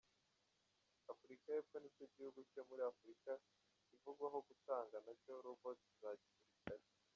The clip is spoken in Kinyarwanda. Afurika y’Epfo nicyo gihugu cyo muri Afurika kivugwaho gutunga nacyo ‘Robots’ za gisirikare.